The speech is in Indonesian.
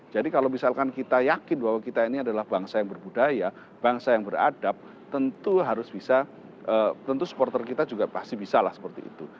jadi kalau misalkan kita yakin bahwa kita ini adalah bangsa yang berbudaya bangsa yang beradab tentu harus bisa tentu supporter kita juga pasti bisa lah seperti itu